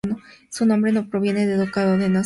Su nombre proviene del "Ducado de Nassau" en Alemania.